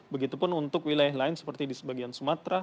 begitupun untuk wilayah lain seperti di sebagian sumatera